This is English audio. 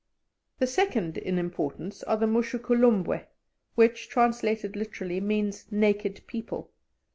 The second in importance are the Mushukulumbwe, which, translated literally, means "naked people."